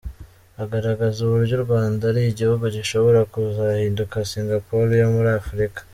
Agaragaza uburyo u Rwanda ari igihugu gishobora kuzahinduka Singapore yo muri Afurika.